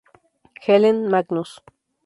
Helen Magnus.